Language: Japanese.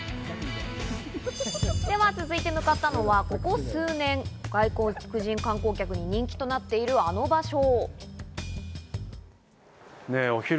では続いて、向かったのはここ数年、外国人観光客に人気となっている、あの場所。